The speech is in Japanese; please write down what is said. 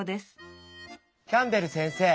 キャンベル先生。